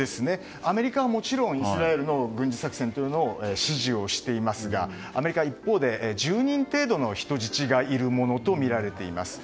アメリカはもちろんイスラエルの軍事作戦というのを支持をしていますが一方でアメリカは１０人程度の人質がいるものとみられています。